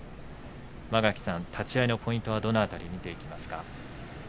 間垣さん、立ち合いのポイントはどの辺り見ていきますか。